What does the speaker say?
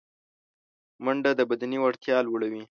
منډه د بدني وړتیا لوړوي